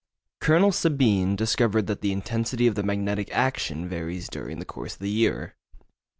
Colonel Sabine discovered that the intensity of the magnetic action varies during the course of the year.